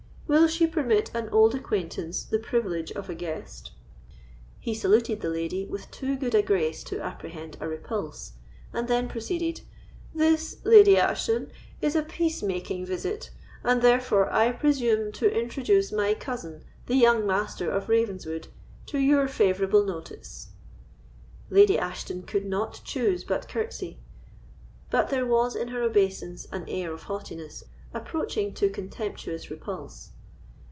Will she permit an old acquaintance the privilege of a guest?" He saluted the lady with too good a grace to apprehend a repulse, and then proceeded: "This, Lady Ashton, is a peacemaking visit, and therefore I presume to introduce my cousin, the young Master of Ravenswood, to your favourable notice." Lady Ashton could not choose but courtesy; but there was in her obeisance an air of haughtiness approaching to contemptuous repulse.